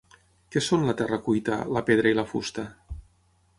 Què són la terra cuita, la pedra i la fusta?